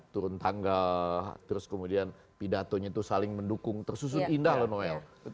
turun tangga terus kemudian pidatonya itu saling mendukung tersusun indah loh noel